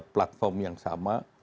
platform yang sama